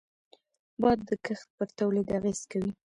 باد د کښت پر تولید اغېز کوي